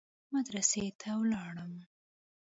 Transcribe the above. مدرسې ته ولاړم.